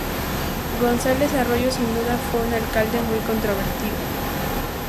Gonzalez Arroyo sin duda fue un alcalde muy controvertido.